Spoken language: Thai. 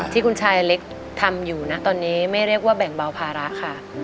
ที่คุณชายเล็กทำอยู่นะตอนนี้ไม่เรียกว่าแบ่งเบาภาระค่ะ